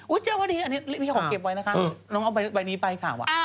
อุ๊ยเจอพอดีอันนี้พี่ของเก็บไว้นะคะน้องเอาใบนี้ไปค่ะว่ะ